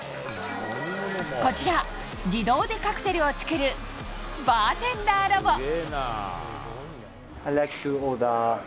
こちら、自動でカクテルを作るバーテンダーロボ。